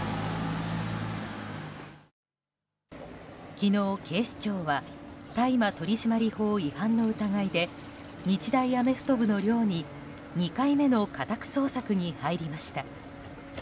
昨日、警視庁は大麻取締法違反の疑いで日大アメフト部の寮に２回目の家宅捜索に入りました。